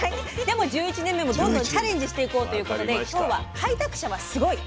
でも１１年目もどんどんチャレンジしていこうということで今日は「開拓者はスゴイ！」。